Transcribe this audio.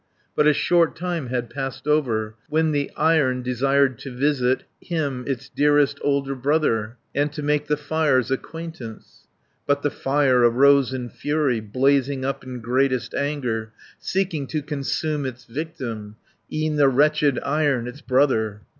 "But a short time had passed over, When the Iron desired to visit Him, its dearest elder brother, And to make the Fire's acquaintance. 70 "But the Fire arose in fury, Blazing up in greatest anger, Seeking to consume its victim, E'en the wretched Iron, its brother.